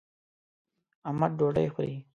احمد ډوډۍ خوري.